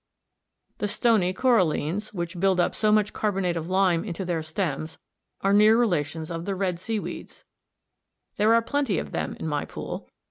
The stony corallines (4, Figs. 63 and 65), which build so much carbonate of lime into their stems, are near relations of the red seaweeds. There are plenty of them in my pool.